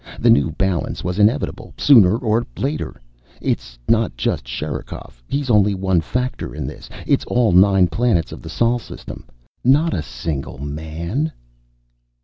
The new balance was inevitable, sooner or later. It's not just Sherikov. He's only one factor in this. It's all nine planets of the Sol System not a single man."